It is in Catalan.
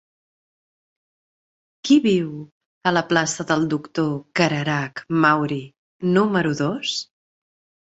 Qui viu a la plaça del Doctor Cararach Mauri número dos?